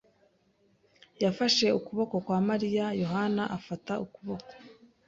yafashe ukuboko kwa Mariya, Yohana afata ukuboko.